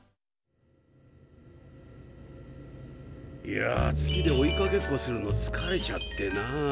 いや月で追いかけっこするのつかれちゃってなぁ。